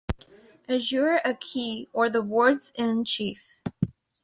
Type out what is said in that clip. Azure a key or, the wards in chief.